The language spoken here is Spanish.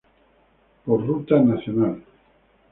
Por Ruta Nac.